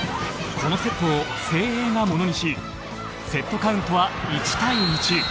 このセットを誠英がものにしセットカウントは１対１。